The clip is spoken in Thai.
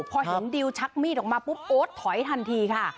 พอหังดีวชักมีดออกมาโอ๊ธถอยทันทีค่ะ